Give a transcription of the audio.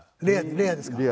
レアです。